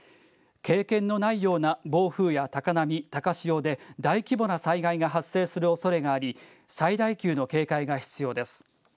経験のないような暴風や高波、高潮で、大規模な災害が発生するおそれがあり、最大級の警戒が必要です。